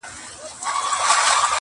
نه په پلونو نه په ږغ د چا پوهېږم.!